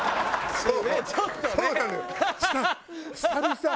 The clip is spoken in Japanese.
そう！